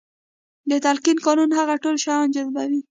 د تلقين قانون هغه ټول شيان جذبوي.